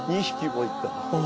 ２匹もいた。